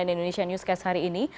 cnn indonesia newscast hari ini